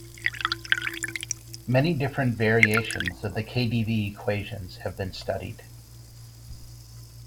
Many different variations of the KdV equations have been studied.